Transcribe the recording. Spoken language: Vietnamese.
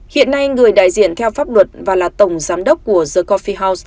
hiện nay người đại diện theo pháp luật và là tổng giám đốc của the cophie house